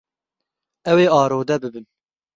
Ew ê arode bibin.